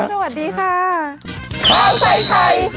สวัสดีค่ะ